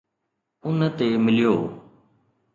ان تي مليو